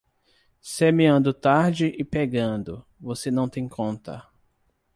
Semeando tarde e pegando, você não tem conta.